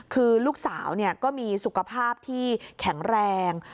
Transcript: คือลูกสาวก็มีสุขภาพที่แข็งแรง